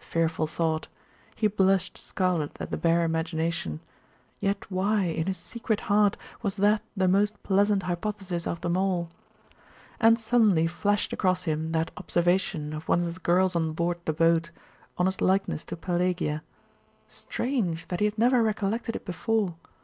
Fearful thought! He blushed scarlet at the bare imagination: yet why, in his secret heart, was that the most pleasant hypothesis of them all? And suddenly flashed across him that observation of one of the girls on board the boat, on his likeness to Pelagia. Strange, that he had never recollected it before!